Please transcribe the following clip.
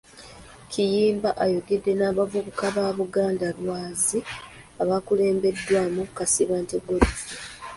Kiyimba ayogedeko n'abavubuka ba Buganda Lwazi, abakulembeddwamu Kasibante Godfrey.